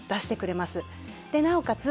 なおかつ